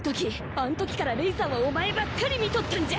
あんときからレイさんはお前ばっかり見とったんじゃ。